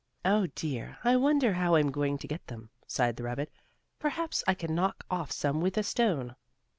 "Oh, dear, I wonder how I'm going to get them?" sighed the rabbit. "Perhaps I can knock off some with a stone."